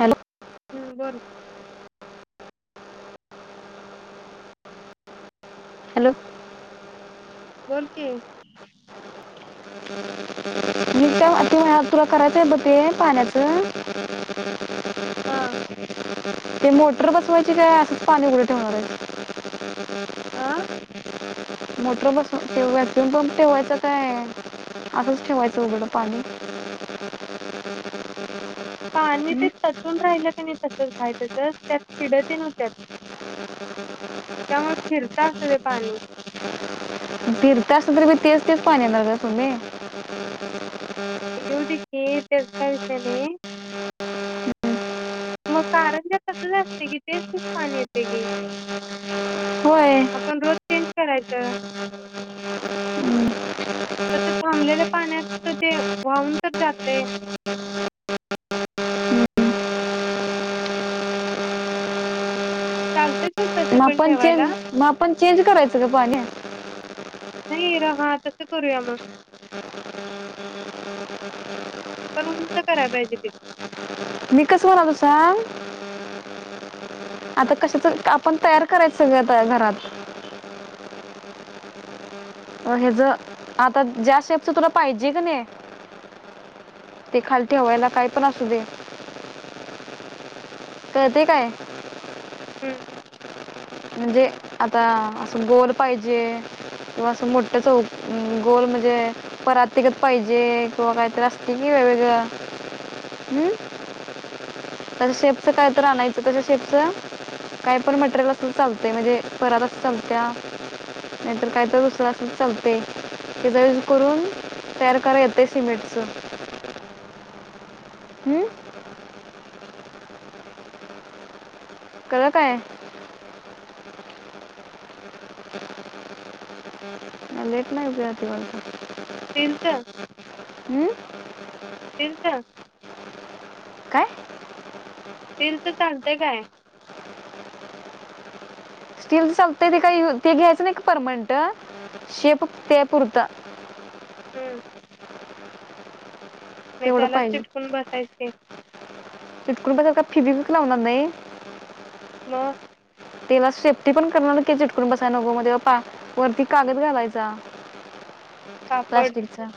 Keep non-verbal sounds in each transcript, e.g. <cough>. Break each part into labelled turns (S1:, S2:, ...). S1: Hello
S2: हम्म बोल
S1: hello
S2: बोल कि
S1: मी त्या ते तुला करायचं आहे ब ते पाण्याचं
S2: हा
S1: ते मो मोटर बसवायची काय असंच पाणी उघडं ठेवणार आहे
S2: आ
S1: <inaudible> मोटर बसवून पण ठेवायच काय असंच ठेवायचं उघडं पाणी
S2: पाणी
S1: हं?
S2: ते तटून राहिलं क नाही तसच त्यात की तेन व्हत्या त्यामुळे फिरता असत ते पाणी
S1: फिरत असत तर म तेच तेच पाणी येणार गं सुमे
S2: येऊ दे की त्याचा काय विषय नाही. मग कारण जा तस असते कि तेच तेच पाणी येते की
S1: होय
S2: आपण रोज चेंज करायचं
S1: हं,
S2: तस थांबलेल्या पाण्यात ते वाहून तर जातयं.
S1: हं.
S2: चाल.
S1: ना पण चेंज मग आपण चेंज करायचं गं पाणी.
S2: हिरहा तस करूया मग. पण उंच करायला पाहिजे ते.
S1: मी कसं मारू सांग आता कशाच आपण तयार करायच सगळं घरात. अ हे ज आता ज्या शेपच तुला पाहिजे क नी, ते खाली ठेवायला काय पण असू दे कळते काय.
S2: हम्म.
S1: म्हणजे आता असं गोल पाहिजे किंवा असं मोठ चौक गोल म्हणजे परातिगत पाहिजे किंवा काहीतरी असते कि वेगवेगळ हम् तर शेपच कायतर आणायचं तश शेपच काय पण मटेरिल चालतयं म्हणजे पराता त चालत्या नाहीतर काय तर दुसरं असल चालतयं हे ज यज करून तयार कराता येते सिमेंटच. हम्म. कळं काय. लेट नाही उदया येतंय वाटत.
S2: तीनच.
S1: हं?
S2: तिन चं.
S1: काय.
S2: स्टील चं चालतयं काय?
S1: स्टील समतंय ते काय इल ते घ्यायचं नाही का परमनंट शे पुत्या पुरता
S2: हम्म. मी
S1: तेवढं
S2: त्याला चिटकूनं बसायची ते.
S1: चटकून बसायचा <unintelligible> ज च लावणार नाही.
S2: म.
S1: त्याला सेफ्टी पण करणार की चिटकून बसाय नको मध्ये पा वरती कागद घालायचा.
S2: कापड
S1: प्लास्टिक च.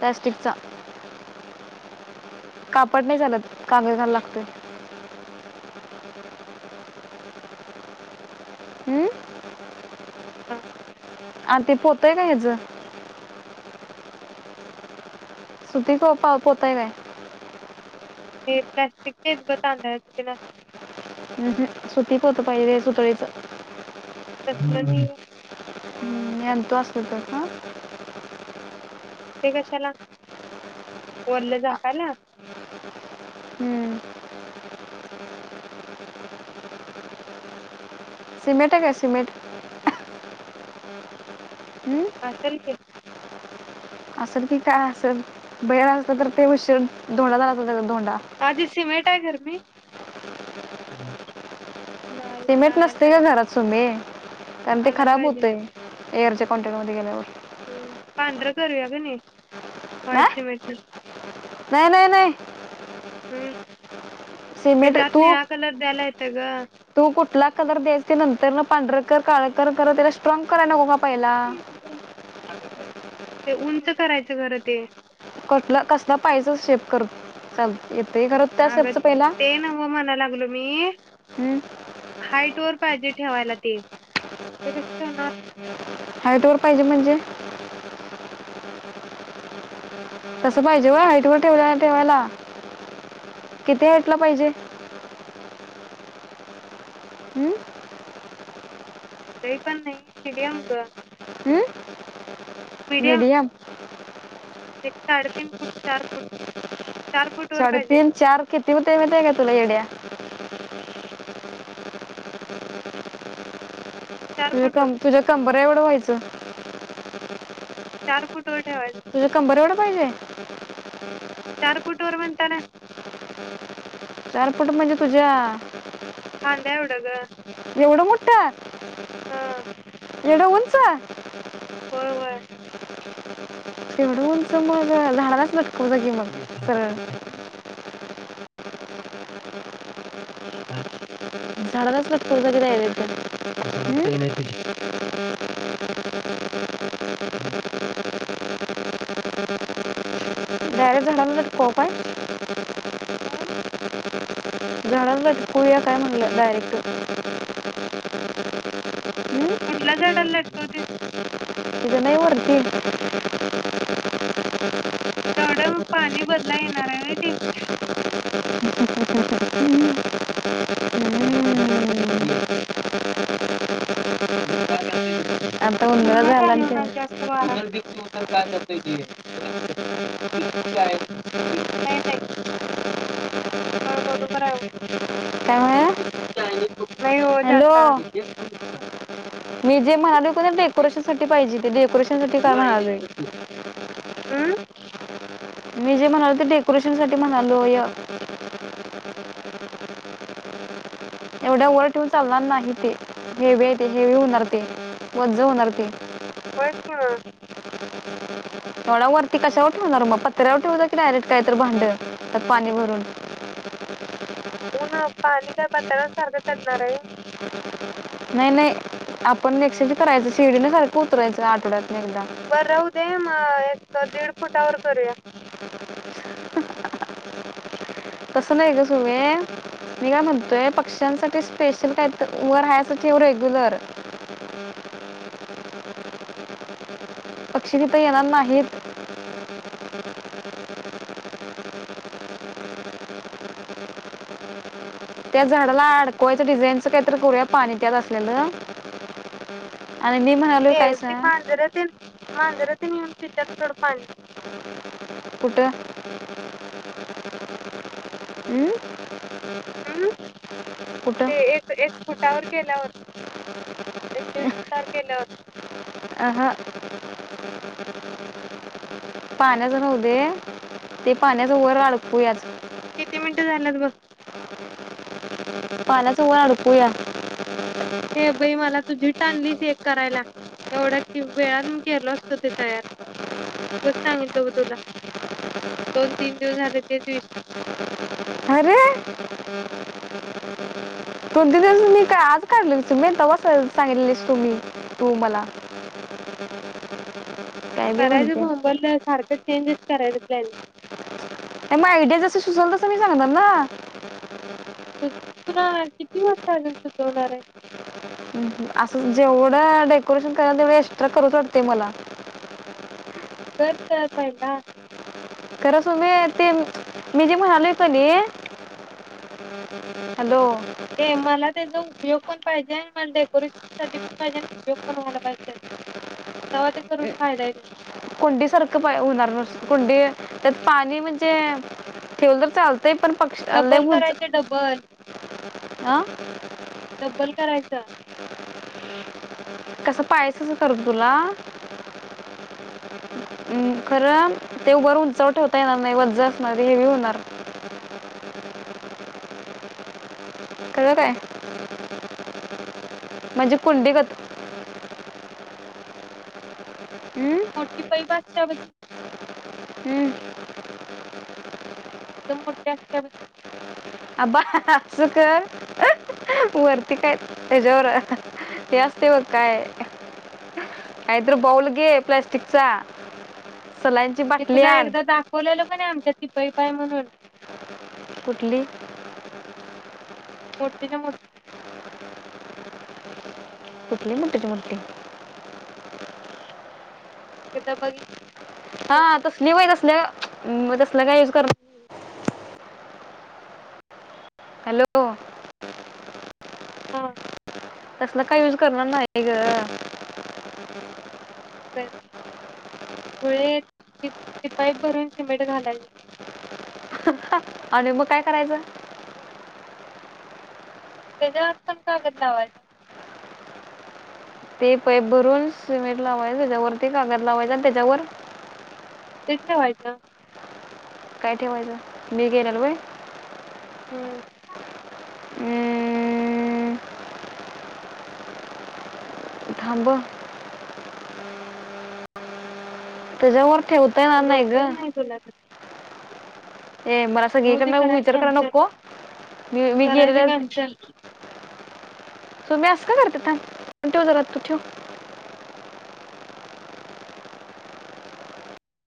S1: प्लस्टिकचा कापड नाही चालत कागद घालाला लागतोय. हम्म.
S2: <inaudible>
S1: आणि ते पोत आहे काय हेच. सुती <unintelligible> पोत आहे काय.
S2: ये पॅटिक चे हयात बघ तांदळाचे तेन असं
S1: हम् हम सुती पोत पाहिजे सुतळीच
S2: <inaudible> तसलं नइ
S1: हम्म आणतो असल तर हं.
S2: ते कशाला. वरलं झाकायला?
S1: हम्म. सिमेंट हाय काय सिमेंट हम्म?
S2: आसल की
S1: असल की काय असल बेल असलं तर ते उशर धुळा <unintelligible>
S2: आजी सिमेट. काय गरमी.
S1: सिमेंट नसते का घरात सुमे कारण ते
S2: आणायला
S1: खराब
S2: पाहिजे
S1: होतय एअरच्या कॉनटेट मध्ये गेल्यावर.
S2: हम्म पांढरं करूया ग नाही व्हाईट सिमेंटन
S1: नाही नाही नाही
S2: हम्म
S1: सिमेंट
S2: त्याच्यात
S1: तू
S2: निळा कलर द्यायला येतय ग
S1: तू कुठला कलर द्यायच ते नंतर पांढरकर काळ खर त्याला स्ट्रॉग कराय नको पहिला
S2: ते उंच करायचं खरं ते
S1: कठला कसला पाहिज शेप कर चाल येत
S2: अग ते नव्ह म्हणा लागलो मी
S1: हम्म.
S2: हाईट व पाहिजे ठेवायला ते हे कस ठेवणार
S1: हायटवर पाहिजे म्हणजे? तस पाहिजे व हाईट वर ठेवायला किती हाईट ला पाहिजे हम्म
S2: काही पण नाही मिीडियम ग
S1: हम्म
S2: मिडियम
S1: मीडियम
S2: एक साडेतीन फूट चार फूट चार फूट वर
S1: साडे
S2: पाहिजे
S1: तीन चार किती हुतंय महिये काय तुला येड्या
S2: चार फूट
S1: तुझ्या
S2: वर
S1: तुझ्या कंबर बर एवढं व्हायचं
S2: चार फुट
S1: तुझ कंबर एवढा पाहिज?
S2: नारपुट वर बणंतना
S1: चार फट म ज तूझा
S2: खांदा एवढं ग
S1: एवढं
S2: ह
S1: एढो होच
S2: होय होय
S1: तेवढंचं मग झाडालाच नट उदग मग तरर
S2: हा
S1: झाडालाच पट खय <inaudible> <unintelligible> काय
S2: हं?
S1: झाड कुळया काय म्हणलं डायरक्ट
S2: कुठल्या झाडाला लटकवती
S1: <inaudible> नाही वरती
S2: तेवढं म पाणी बदलाय येणारय व्हय ते?
S1: हम्म.
S2: <unintelligible> किधर <unintelligible> मी काय <unintelligible>
S1: <inaudible> झाला सेव.
S2: <unintelligible> <inaudible> होय बरोबर आहे
S1: काय म्हणा
S2: <inaudible>
S1: हॅलो
S2: जाता हम्म
S1: मी जे म्हणालो की नै डेकोरेशन साठी पाहिजे. ते डेकोरेश <inaudible> मी जे म्हणालो ते डेकोरेशन साठी म्हणालोय. एवढ्या वर ठेवून चालणार नाही ते हेवे ते हेवी होणार ते वज्ज होणार ते.
S2: होय <unintelligible>
S1: एवढा वरती कशावर ठेवणार मग पतऱ्यावर ठेव जा की डायरेक्ट काहीत भांड त्यात पाणी भरून.
S2: उन पाणी काय पातळ्यावर साारख्या चढणार आहे.
S1: नाही नाही आपण एक्सचेंज करायचं शिडीने सारखं उतरायचं आठवड्यात <inaudible>
S2: ह एक दीड फुटावर करूया.
S1: तसं नाही गं सुमे, मी काय म्हणतोय पक्ष्यांसाठी स्पेशल काय तर व राहायसाठी रेग्युलर. पक्षी तिथ येणार नाहीत त्या झाडाला अडकवायचं डिझाईनच काहीतरी कररूया पाणी त्यात असलेलं. आणि मी म्हणालोय
S2: ए ती
S1: कायसा
S2: मांजर तेन मांजर ते नेऊन पितात थोडं पाणी.
S1: कुठं? अंम.
S2: हम् ते एक एक फुटावर केल्यावर एक दीड फुटावर केल्यावर
S1: पाण्याच ऱ्हाऊ दे. ते पाण्याच वर आडकूयाच.
S2: किती मिन झाल्यात बघ.
S1: पालाच वळ अडकू्या.
S2: ये बाई मला तुझी टाणलीस हे एक करायला. एवढ्या कि वेळात मी केलो असतो ते तयार, उगच सांगितलं बघ तुला, दोन तीन दिवस झाले तेच विषय.
S1: अरे दोन तीन दिवस मी काय आज काढले. तवा च मला सांगितलेलीस तु मी तू मला, काय बी
S2: करायच
S1: म्हणते
S2: बोंमबल सारखं, चेंजस करायचा प्लॅन,
S1: म आयडी जसं सुचवल तसं मी सांगनार ना.
S2: तुला किती वाजता आजून सुचवणार आहे?
S1: असं जेवढं डेकोरेशन करायल तेवढे एक्स्ट्रा करूच वाटतय मला.
S2: <unintelligible> तळ पहिला
S1: खर सुमे ते मी जे म्हणालोय कणी हॅलो.
S2: ये मला त्याचा उपयोग पण पाहिजे आणि मला डेकोरेशनसाठी पण पाहिजे आणि उपयोग पण व्हायला पाहिजे तवा त्याचा करून फायदा आहे.
S1: कुंडी सारखं पाय होणार नुस कुंडी त्यात पाणी म्हणजे ठेवलं तर चालतय. ते पण पक्ष लय
S2: डब्बल
S1: उंच
S2: करायचं डबल
S1: आं.
S2: डब्बल करायचा.
S1: कसं पायस करू तुला? हम खरं ते वर उंचा ठेवता येणार नाही वज असणार हेवी होणार. कळ काय? म्हणजे कुंडीगत. हम्म?
S2: मोट पई असत्या बती
S1: हम्म.
S2: एकदम मोठी असत्या बती.
S1: अबा अस कर वरती काय त्याच्यावर हे असतय बघ काय कायतर बाउल घे प्लास्टिकचा सलांची
S2: ते
S1: बाटली
S2: तुला
S1: आण.
S2: एकदा दाखवलेलं आमच्या ती पईप हाय म्हणून.
S1: कुठली?
S2: मोठी च्या मोठी
S1: कुठली मोठी च्या मोठी?
S2: हित बाघित
S1: हा तसली वय तसल्या तसलं काय यूज कर हॅलो
S2: हा.
S1: तसला काय युज करणार नाही ग.
S2: <unintelligible> खुळी, ती पाईप भरून सिमेंट घालायच.
S1: आणि मग काय करायचं?
S2: त्याच्या आत पण कागद लावायचा.
S1: ते पैप भरून सिमेट लावायच त्याच्यावरती कागद लावायचे आणि त्याच्यावर
S2: तेथे व्हायच.
S1: काय ठेवायचं मी गेल्याल होय.
S2: हम्म.
S1: अं, थांबव. त्याच्यावर ठेवता येणार नाही ग.
S2: <inaudible>
S1: ए मला सगळी
S2: राहू दे
S1: कडन
S2: करा
S1: विचार कराय
S2: कॅन्सल
S1: नको, मी मी
S2: करायचं
S1: गेलेल
S2: कॅन्सल
S1: सोमे असा करत्या थांब ठेव जरा ठेव